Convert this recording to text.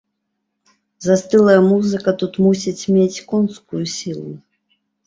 Застылая музыка тут мусіць мець конскую сілу.